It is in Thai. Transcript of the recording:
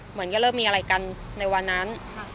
เหมือนก็เริ่มมีอะไรกันในวันนั้น